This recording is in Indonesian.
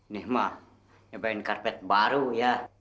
nih mah nyobain karpet baru ya